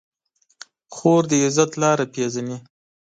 خور د عزت لاره پېژني.